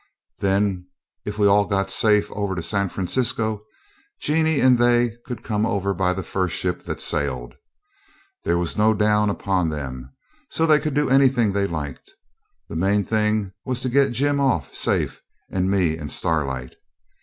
Then, if we all got safe over to San Francisco, Jeanie and they could come over by the first ship that sailed. There was no down upon them, so they could do anything they liked. The main thing was to get Jim off safe and me and Starlight.